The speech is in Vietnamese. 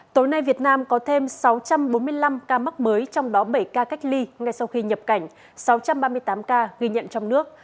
tối nay việt nam có thêm sáu trăm bốn mươi năm ca mắc mới trong đó bảy ca cách ly ngay sau khi nhập cảnh sáu trăm ba mươi tám ca ghi nhận trong nước